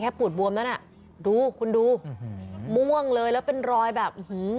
แค่ปูดบวมเนอะน่ะดูคุณดูมงงเลยแล้วเป็นรอย์แบบ